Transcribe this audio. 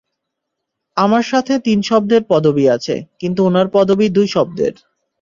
আমার সাথে তিন শব্দের পদবি আছে, কিন্তু ওনার পদবি দুই শব্দের।